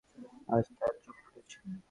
আজ তাহার চোখ ফুটিয়াছে।